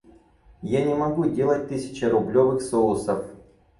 Я не могу делать тысячерублевых соусов.